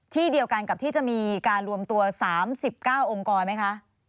ที่เดียวกันกับที่จะมีการรวมตัว๓๙องค์กรไหมคะ